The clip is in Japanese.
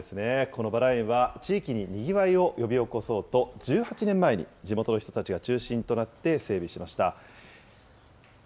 このバラ園は、地域ににぎわいを呼び起こそうと、１８年前に、地元の人たちが中心となって整備しました。